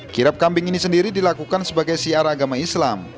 kirap kambing ini sendiri dilakukan sebagai siar agama islam